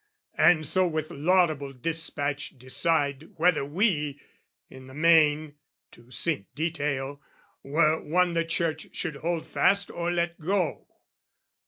And so with laudable dispatch decide Whether we, in the main (to sink detail) Were one the Church should hold fast or let go.